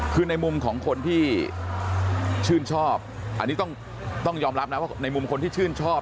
คือในมุมของคนที่ชื่นชอบอันนี้ต้องยอมรับนะว่าในมุมคนที่ชื่นชอบ